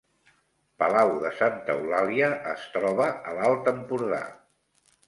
Palau de Santa Eulàlia es troba a l’Alt Empordà